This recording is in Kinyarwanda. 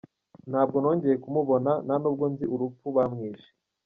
Ntabwo nongeye kumubona nta n’ubwo nzi urupfu bamwishe.